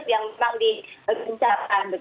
yang memang di ucapkan